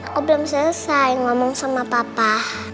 kok belum selesai ngomong sama papa